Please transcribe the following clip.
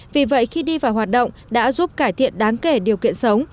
vì vậy khi đi vào hoạt động đã giúp cải thiện đáng kể điều kiện sống